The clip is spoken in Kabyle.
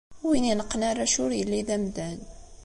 Win ineqqen arrac ur yelli d amdan.